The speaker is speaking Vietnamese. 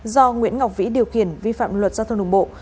do nguyễn ngọc vĩ điều khiển vi phạm luật giao thông đồng bộ